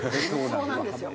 そうなんですよ。